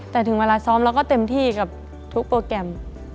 แต่ถึงเวลาซ้อมเราก็เต็มที่กับทุกโปรแกรม